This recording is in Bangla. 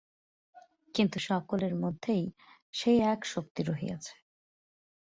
কিন্তু সকলের মধ্যেই সেই এক শক্তি রহিয়াছে।